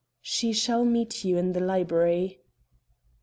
"She shall meet you in the library."